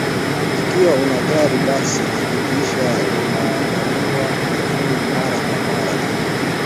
ikiwa una gari basi hakikisha linaangaliwa na fundi mara kwa mara ili